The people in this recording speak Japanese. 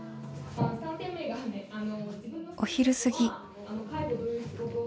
お昼過ぎ。